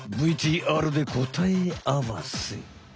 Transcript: ＶＴＲでこたえあわせ！